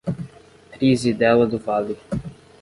Trizidela do Vale